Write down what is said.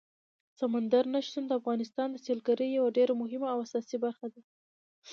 سمندر نه شتون د افغانستان د سیلګرۍ یوه ډېره مهمه او اساسي برخه ده.